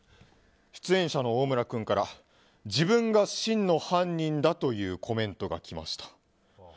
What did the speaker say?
出演者のオオムラ君から自分が真の犯人だというコメントが来ました。